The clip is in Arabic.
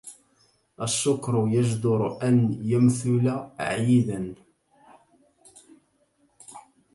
الشكر يجدر أن يمثل عيدا